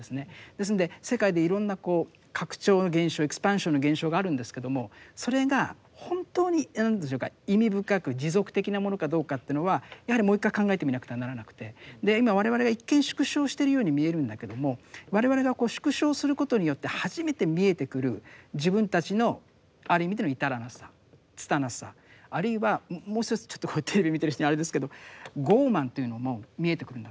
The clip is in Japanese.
ですので世界でいろんな拡張の現象エクスパンションの現象があるんですけどもそれが本当に何でしょうか意味深く持続的なものかどうかというのはやはりもう一回考えてみなくてはならなくて今我々が一見縮小してるように見えるんだけども我々がこう縮小することによって初めて見えてくる自分たちのある意味での至らなさ拙さあるいはもう一つちょっとこれテレビで見てる人にあれですけど傲慢というのも見えてくるんだと思うんです。